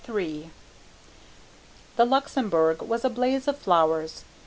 III The Luxembourg was a blaze of flowers.